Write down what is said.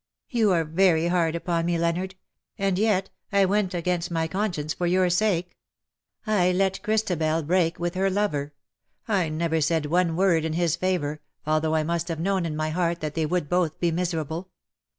'^" You are very hard upon me, Leonard — and yet, I went against my conscience for your sake. I let Christabel break with her lover. I said never one word in his favour, although I must have known in my heart that they would both be miserable.